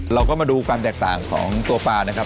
เราก็มาดูความแตกต่างของตัวปลานะครับ